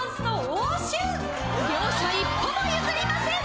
両者一歩もゆずりません！